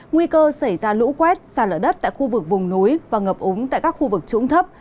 nguy cơ xảy ra lũ quét xa lở đất tại khu vực vùng núi và ngập úng tại các khu vực trũng thấp